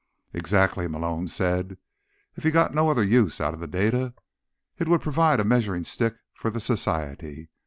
"Exactly," Malone said. If he got no other use out of the data, it would provide a measuring stick for the Society.